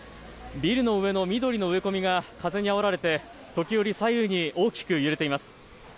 ビルの上の緑の植え込みが風にあおられて時折左右に大きく揺れています。